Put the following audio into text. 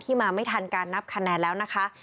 มาไม่ทันการนับคะแนนแล้วนะคะ